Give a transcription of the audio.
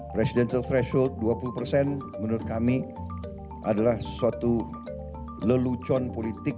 presidential threshold dua puluh persen menurut kami adalah suatu lelucon politik